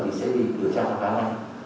thì sẽ được điều tra khá ngay